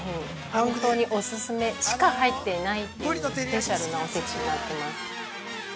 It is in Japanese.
本当にオススメしか入っていないというスペシャルなおせちになっています。